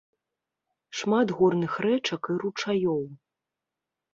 Шмат горных рэчак і ручаёў.